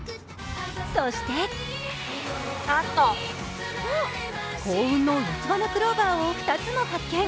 そして幸運の四つ葉のクローバーを２つも発見。